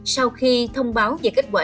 sau khi thông báo về kết quả